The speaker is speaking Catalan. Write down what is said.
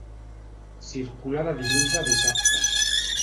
Circula de dilluns a dissabte.